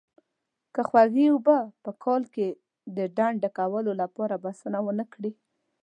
که خوږې اوبه په کال کې د ډنډ ډکولو لپاره بسنه ونه کړي.